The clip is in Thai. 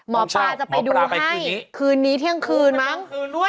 หมอปลาจะไปดูให้คืนนี้เที่ยงคืนมั้ง